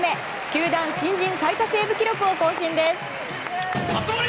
球団新人最多セーブ記録を更新です。